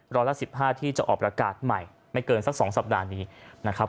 ร้อยละ๑๕ที่จะออกประกาศใหม่ไม่เกินสัก๒สัปดาห์นี้นะครับ